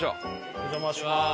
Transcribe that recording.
お邪魔します。